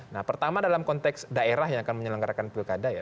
nah pertama dalam konteks daerah yang akan menyelenggarakan pilkada ya